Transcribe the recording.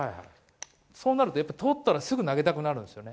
そうなると取ったらすぐ投げたくなるんですよね。